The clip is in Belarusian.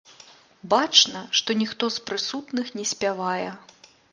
Бачна, што ніхто з прысутных не спявае.